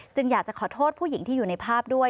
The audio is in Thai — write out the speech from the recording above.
อยากจะขอโทษผู้หญิงที่อยู่ในภาพด้วย